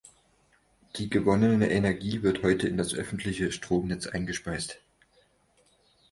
Die gewonnene Energie wird heute in das öffentliche Stromnetz eingespeist.